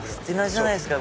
じゃないですか